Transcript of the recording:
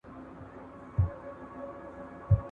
• آس د خرو په ډله کي خر سي.